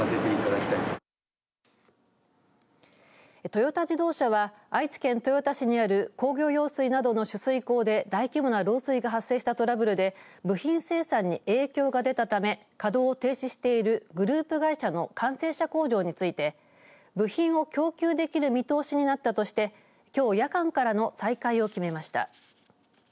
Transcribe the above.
トヨタ自動車は愛知県豊田市にある工業用水などの取水口で大規模な漏水が発生したトラブルで部品生産に影響が出たため稼働停止しているグループ会社の完成車工場について部品を供給できる見通しになったとしてきょう夜間からの再開を決めました。